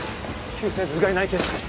急性頭蓋内血腫です